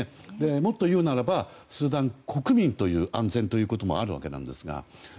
もっと言うならばスーダン国民の安全ということもあるわけなんですが。